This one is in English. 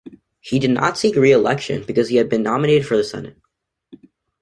He did not seek reelection, because he had been nominated for the Senate.